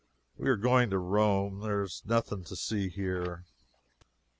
We are going to Rome. There is nothing to see here.